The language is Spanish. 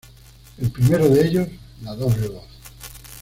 El primero de ellos, —"La doble voz.